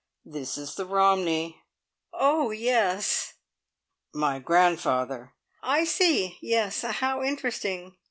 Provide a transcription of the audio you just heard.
"This is the Romney." "Oh yes." "My grandfather." "I see. Yes. How interesting."